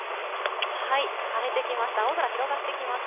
晴れてきました。